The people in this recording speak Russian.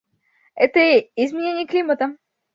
Это изменение климата.